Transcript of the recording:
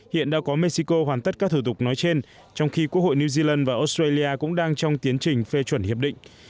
hiện đã có mexico hoàn tất các thủ tục nói trên trong khi quốc hội new zealand và australia cũng đang trong tiến trình phê chuẩn hiệp định